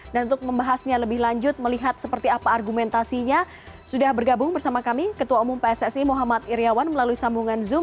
dan untuk membahasnya lebih lanjut melihat seperti apa argumentasinya sudah bergabung bersama kami ketua umum pssi muhammad iryawan melalui sambungan zoom